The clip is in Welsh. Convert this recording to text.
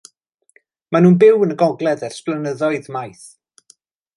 Maen nhw'n byw yn y gogledd ers blynyddoedd maith.